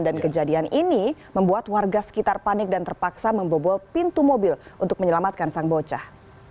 dan kejadian ini membuat warga sekitar panik dan terpaksa membobol pintu mobil untuk menyelamatkan sang bocah